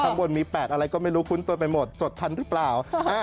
ข้างบนมี๘อะไรก็ไม่รู้คุ้นตัวไปหมดจดทันหรือเปล่า